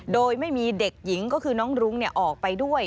โดยไม่มีเด็กหญิงก็คือน้องรุ้งออกไปด้วย